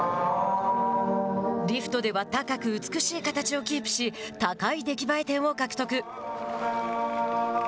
リフトでは高く美しい形をキープし高い出来栄え点を獲得。